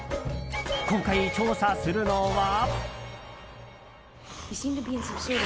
今回、調査するのは。